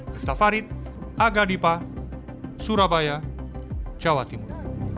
miftah farid aga dipa surabaya jawa timur